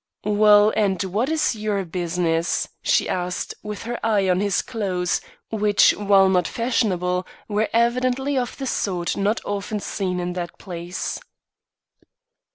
"Well, and what is your business?" she asked, with her eye on his clothes, which while not fashionable, were evidently of the sort not often seen in that place.